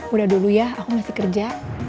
udah dulu ya aku masih kerja